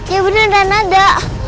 ya bener dan ada